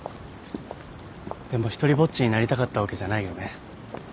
でも独りぼっちになりたかったわけじゃないよね。